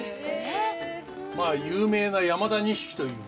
まあ有名な山田錦という。